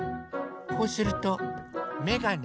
こうするとめがね。